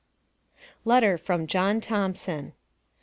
LETTER FROM JOHN THOMPSON.